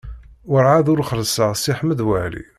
Werɛad ur xellṣeɣ Si Ḥmed Waɛli.